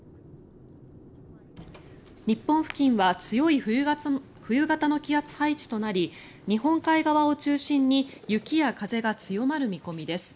日本付近は強い冬型の気圧配置となり日本海側を中心に雪や風が強まる見込みです。